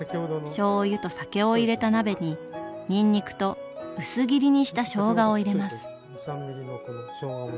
しょうゆと酒を入れた鍋ににんにくと薄切りにしたしょうがを入れます。